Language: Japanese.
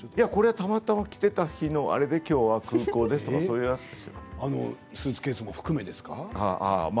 たまたま着ていた日のきょうは空港ですとかスーツケースも含めてですか。